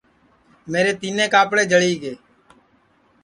میرے تِینیں کاپڑے جݪی گے